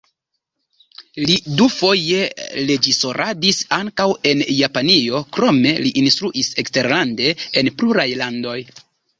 Li dufoje reĝisoradis ankaŭ en Japanio, krome li instruis eksterlande en pluraj landoj.